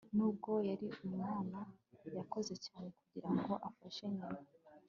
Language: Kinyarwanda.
nubwo yari umwana, yakoze cyane kugirango afashe nyina